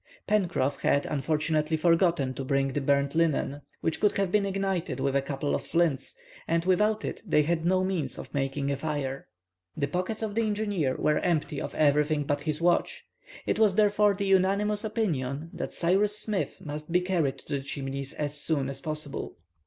Pencroff had, unfortunately, forgotten to bring the burnt linen, which could have been ignited with a couple of flints, and without it they had no means of making a fire. The pockets of the engineer were empty of everything but his watch. It was therefore the unanimous opinion that Cyrus Smith must be carried to the Chimneys as soon as possible.